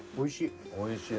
おいしい。